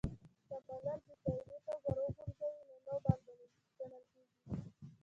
که بالر بې قاعدې توپ ور وغورځوي؛ نو نو بال ګڼل کیږي.